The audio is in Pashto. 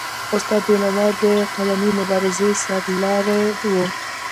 استاد بینوا د قلمي مبارزې سرلاری و.